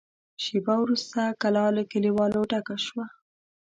شېبه وروسته کلا له کليوالو ډکه شوه.